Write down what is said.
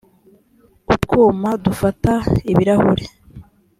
utwuma dufata ibirahuri